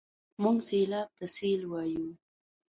موږ سېلاب ته سېل وايو.